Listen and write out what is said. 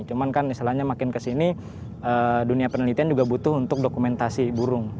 cuma kan misalnya makin ke sini dunia penelitian juga butuh untuk dokumentasi burung